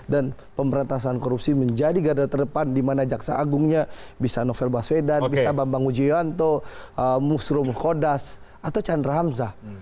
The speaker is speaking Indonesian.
dan pemberantasan korupsi menjadi gadar terdepan di mana jaksa agungnya bisa novel baswedan bisa bambang ujiwanto musrum khodas atau chandra hamzah